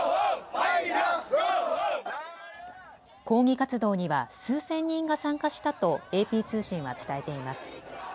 抗議活動には数千人が参加したとＡＰ通信は伝えています。